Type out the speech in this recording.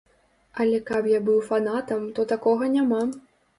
Але каб я быў фанатам, то такога няма.